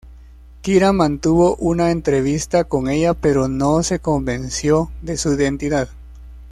Kira mantuvo una entrevista con ella pero no se convenció de su identidad.